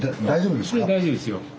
大丈夫ですよ。